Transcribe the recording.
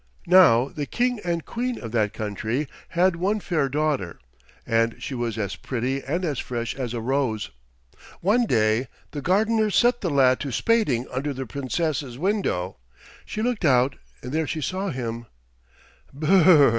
Now the King and Queen of that country had one fair daughter, and she was as pretty and as fresh as a rose. One day the gardener set the lad to spading under the Princess's window. She looked out, and there she saw him.